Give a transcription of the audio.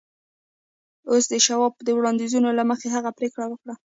اوس د شواب د وړاندیزونو له مخې هغه پرېکړه وکړه